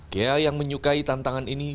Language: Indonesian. ghea yang menyukai tantangan ini